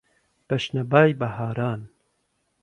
بە شنەبای بەهاران